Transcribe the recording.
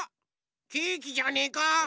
ケーキじゃねえか？